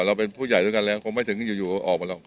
เราเป็นผู้ใหญ่ด้วยกันแล้วคงไม่ถึงอยู่ออกมาหรอก